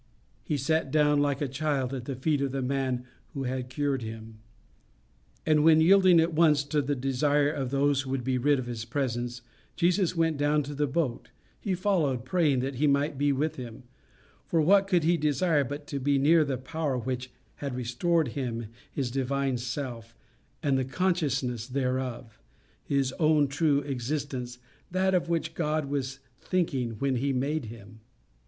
He sat down like a child at the feet of the man who had cured him; and when, yielding at once to the desire of those who would be rid of his presence, Jesus went down to the boat, he followed, praying that he might be with him; for what could he desire but to be near that power which had restored him his divine self, and the consciousness thereof his own true existence, that of which God was thinking when he made him?